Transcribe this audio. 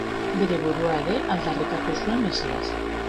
Bere burua ere aldarrikatu zuen mesias.